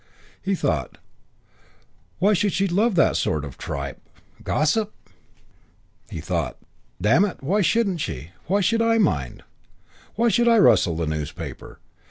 He thought, "Why should she love that sort of tripe gossip?" He thought, "Damn it, why shouldn't she? Why should I mind? Why should I rustle the newspaper?